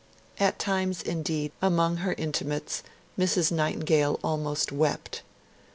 At times, indeed, among her intimates, Mrs. Nightingale almost wept.